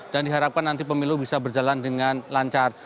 dan diharapkan nanti pemilu bisa berjalan dengan lancar